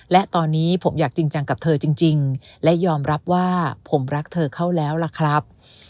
และตอนนี้ผมอยากจริงจังกับเธอจริงและยอมรับว่าผมรักเธอเข้าแล้วล่ะครับ